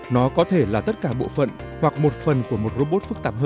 nó có thể là tất cả bộ phận hoặc một phần của một robot phức tạp hơn